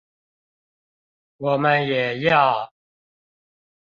我們也要